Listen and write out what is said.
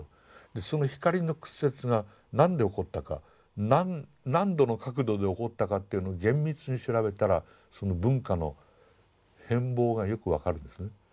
その光の屈折が何で起こったか何度の角度で起こったかというのを厳密に調べたらその文化の変貌がよく分かるんですね。